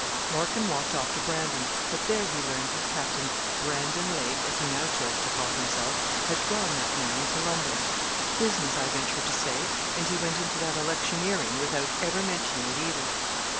Larkin walked off to Brandon, but there he learned that Captain Brandon Lake as he now chose to call himself, had gone that morning to London. 'Business, I venture to say, and he went into that electioneering without ever mentioning it either.'